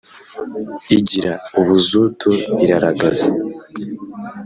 igira ubuzutu iraragaza